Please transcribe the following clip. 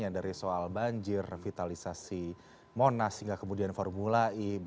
dari soal banjir revitalisasi monas hingga kemudian formulai